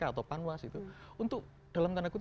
atau panwas itu untuk dalam tanda kutip